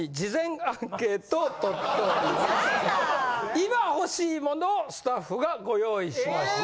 今欲しい物をスタッフがご用意しました。